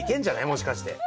もしかして。